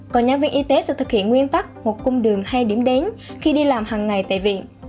còn nhân viên y tế sẽ thực hiện nguyên tắc một cung đường hay điểm đến khi đi làm hàng ngày tại viện